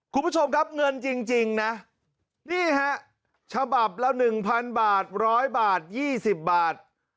คุณผู้ชมครับเงินจริงนะนี่ฮะฉบับละ๑๐๐บาท๑๐๐บาท๒๐บาท